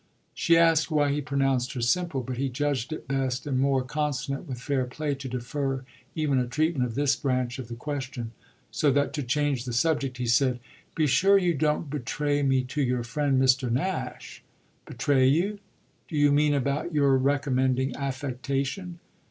She asked why he pronounced her simple, but he judged it best and more consonant with fair play to defer even a treatment of this branch of the question; so that to change the subject he said: "Be sure you don't betray me to your friend Mr. Nash." "Betray you? Do you mean about your recommending affectation?"